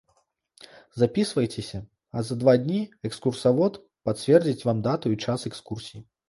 Запісвайцеся, а за два дні экскурсавод пацвердзіць вам дату і час экскурсіі.